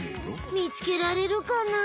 みつけられるかなあ。